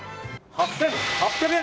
８８００円？